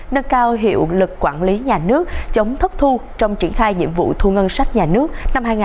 nâng cao hiệu lực quản lý nhà nước chống thất thu trong triển khai nhiệm vụ thu ngân sách nhà nước năm hai nghìn hai mươi